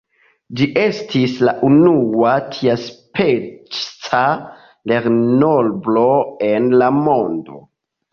Ĝi estis la unua tiaspeca lernolibro en la mondo.